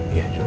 iya juga sih